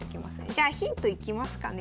じゃあヒントいきますかね。